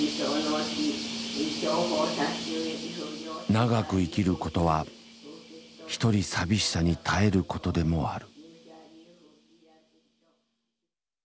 長く生きることは一人寂しさに耐えることでもある。